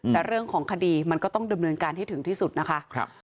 แต่เรื่องของคดีมันก็ต้องดำเนินการให้ถึงที่สุดนะคะ